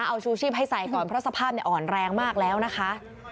เอาชูชีพให้ใส่ก่อนเพราะสภาพอ่อนแรงมากแล้วนะคะ